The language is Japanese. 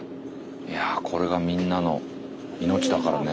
いやこれがみんなの命だからね。